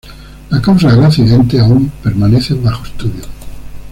La causa del accidente aun permanece bajo estudio.